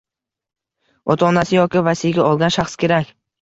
Ota-onasi yoki vasiyga olgan shaxs kerak.